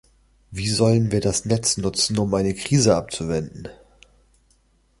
Wie sollen wir das Netz nutzen, um eine Krise abzuwenden?